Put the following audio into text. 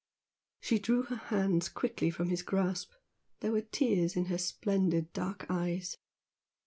She drew her hands quickly from his grasp. There were tears in her splendid dark eyes.